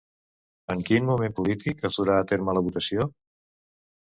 En quin moment polític es durà a terme la votació?